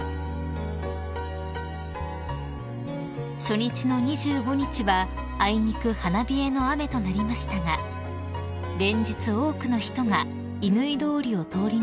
［初日の２５日はあいにく花冷えの雨となりましたが連日多くの人が乾通りを通り抜け